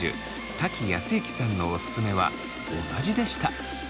瀧靖之さんのオススメは同じでした。